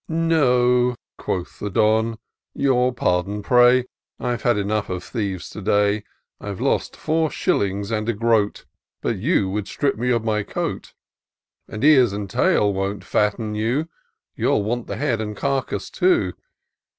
"No," quoth the Don, "your pardon, pray; I've had enough of thieves to day : I've lost four shillings and a groat. But you would strip me of my coat ; And ears and tail won't fatten you. You'll want the head and carcase too."